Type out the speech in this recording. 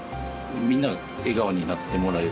みんな、笑顔になってもらえる。